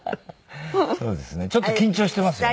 そうですねちょっと緊張してますね。